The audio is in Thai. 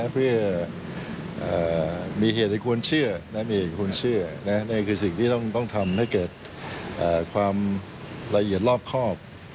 เพื่อมีเหตุให้ควรเชื่อเนี้ยคือสิ่งที่ต้องต้องทำให้เก็บความละเอียดรอบครอบ